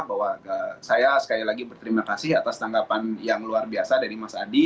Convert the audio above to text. bahwa saya sekali lagi berterima kasih atas tanggapan yang luar biasa dari mas adi